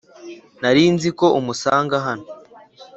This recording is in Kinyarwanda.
Ntarinziko umusanga hano